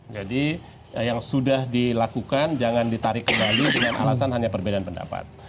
jadi yang sudah dilakukan jangan ditarik kembali dengan alasan hanya perbedaan pendapat